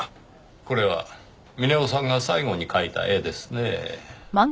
これは峰夫さんが最後に描いた絵ですねぇ。